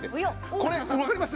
これわかります？